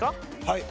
はい。